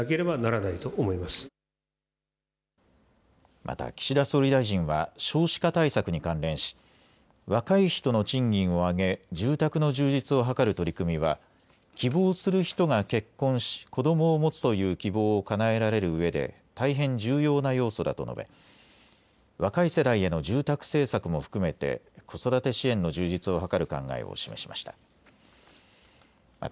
また岸田総理大臣は少子化対策に関連し若い人の賃金を上げ、住宅の充実を図る取り組みは希望する人が結婚し、子どもを持つという希望をかなえられるうえで大変重要な要素だと述べ、若い世代への住宅政策も含めて子育て支援の充実を図る考えを示しました。